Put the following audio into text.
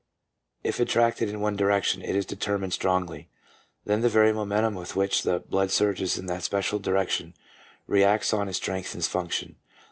If attracted in one direction it is determined strongly. Then the very momentum with which the blood surges in that special direction reacts on and strengthens function.